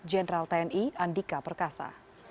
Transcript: jenderal tni andika perkasa